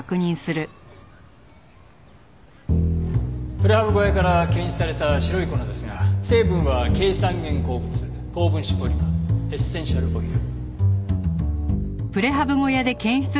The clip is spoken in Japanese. プレハブ小屋から検出された白い粉ですが成分はケイ酸塩鉱物高分子ポリマーエッセンシャルオイル。